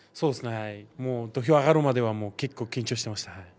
土俵に上がるまで結構、緊張していました。